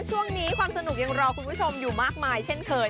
ช่วงนี้ความสนุกยังรอคุณผู้ชมอยู่มากมายเช่นเกิน